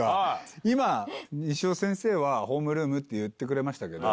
今西尾先生はホームルームって言ってくれましたけど。